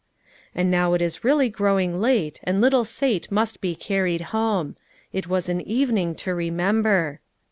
And now it is really growing late and little Sate must be carried home. It was an evening to remember.